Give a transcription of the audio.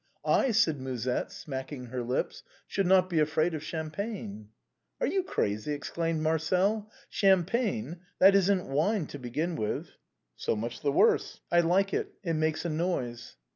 " I," said Musette, smacking her lips, " should not be afraid of Champagne." "Are you crazy ?" exclaimed Marcel ;" Champagne ! that isn't wine to begin with." " So much the worse ; I like it ; it makes a noise."